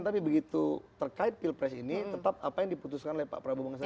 tapi begitu terkait pilpres ini tetap apa yang diputuskan oleh pak prabowo bang sandi